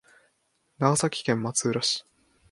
長崎県松浦市